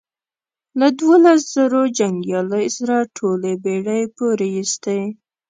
له دوولس زرو جنګیالیو سره ټولې بېړۍ پورېستې.